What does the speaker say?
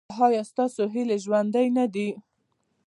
ایا ستاسو هیلې ژوندۍ نه دي؟